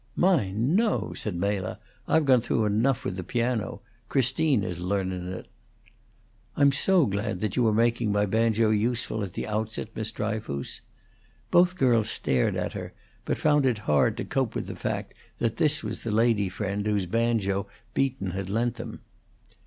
"My, no!" said Mela, "I've gone through enough with the piano. Christine is learnun' it." "I'm so glad you are making my banjo useful at the outset, Miss Dryfoos." Both girls stared at her, but found it hard to cope with the fact that this was the lady friend whose banjo Beaton had lent them.